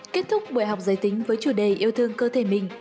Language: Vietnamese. kết thúc buổi học giới tính với chủ đề yêu thương cơ thể mình